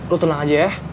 lo tenang aja ya